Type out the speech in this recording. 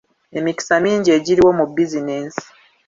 Emikisa mingi egiriwo mu bizinensi.